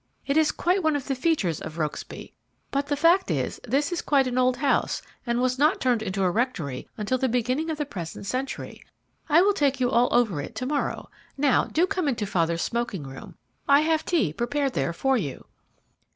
"It is quite one of the features of Rokesby; but the fact is, this is quite an old house, and was not turned into a rectory until the beginning of the present century. I will take you all over it to morrow. Now, do come into father's smoking room I have had tea prepared there for you."